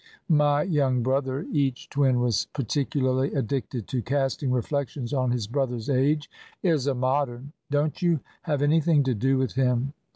My young brother," (each twin was particularly addicted to casting reflections on his brother's age) "is a Modern. Don't you have anything to do with him.